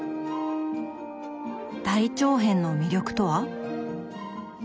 大長編の魅力とは？